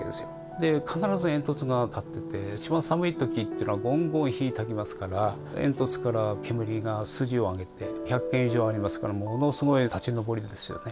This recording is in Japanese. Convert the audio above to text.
で必ず煙突が立ってて一番寒い時ってのはゴンゴン火たきますから煙突から煙が筋を上げて１００軒以上ありますからものすごい立ち昇りですよね。